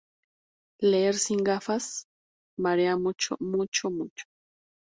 ¡ leer sin gafas! ¡ marea mucho mucho mucho!